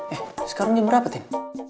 eh sekarang jam berapa deh